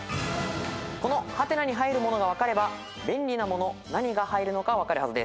この「？」に入るものが分かれば便利なもの何が入るのか分かるはずです。